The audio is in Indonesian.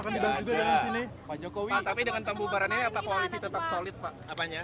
apakah koalisi tetap solid pak